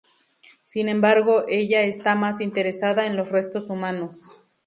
Sin embargo, ella está más interesada en los restos humanos.